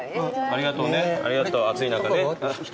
ありがとう暑い中ね。